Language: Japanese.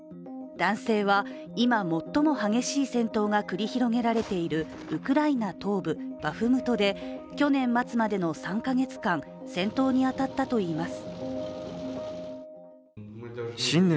男性は、今最も激しい戦闘が繰り広げられているウクライナ東部バフムトで去年末までの３か月間、戦闘に当たったといいます。